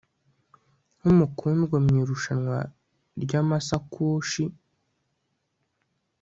nkumukundwa mu irushanwa ryamasakoshi